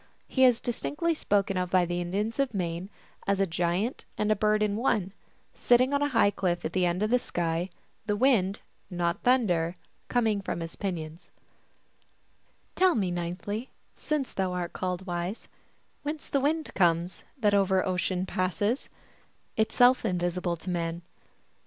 He is distinctly spoken of by the Indians of Maine as a giant and a bird in one, sitting 011 a high cliff at the end of the sky, the wind not thunder coming from his pinions :" Tell me ninthly, jSiuce thou art called wise, Whence the wind comes, That over ocean passes, Itself invisible to man.